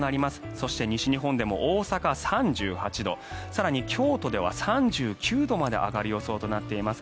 そして、西日本でも大阪、３８度更に、京都では３９度まで上がる予想となっています。